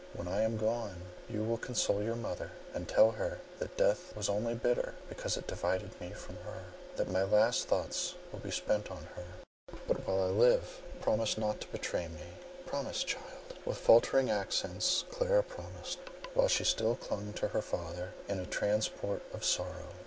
When I am gone, you will console your mother, and tell her that death was only bitter because it divided me from her; that my last thoughts will be spent on her. But while I live, promise not to betray me; promise, my child." With faltering accents Clara promised, while she still clung to her father in a transport of sorrow.